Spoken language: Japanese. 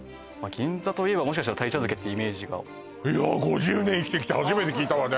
銀座といえばもしかしたら鯛茶漬けってイメージがいや５０年生きてきて初めて聞いたわね